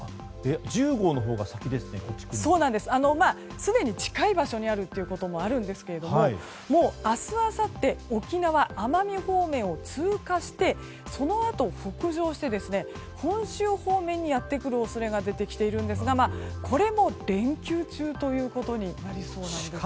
すでに近い場所にあるということもあるんですけれどももう明日あさって沖縄、奄美方面を通過して、そのあと北上して本州方面にやってくる恐れが出てきているんですがこれも連休中ということになりそうです。